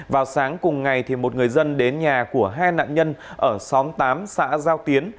vào sáng cùng ngày một người dân đến nhà của hai nạn nhân ở xóm tám xã giao tiến